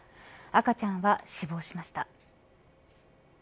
赤ちゃんは死亡しました。